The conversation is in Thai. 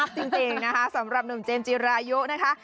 จริงนะคะสำหรับหนุ่มเจมส์จิรายุนะคะ